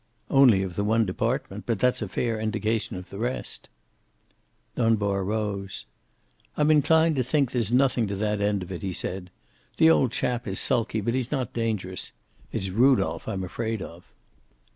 "Only of the one department. But that's a fair indication of the rest." Dunbar rose. "I'm inclined to think there's nothing to that end of it," he said. "The old chap is sulky, but he's not dangerous. It's Rudolph I'm afraid of."